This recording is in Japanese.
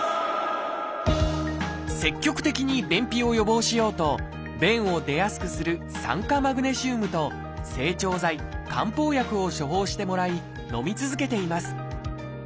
積極的に便秘を予防しようと便を出やすくする「酸化マグネシウム」と「整腸剤」「漢方薬」を処方してもらいのみ続けています。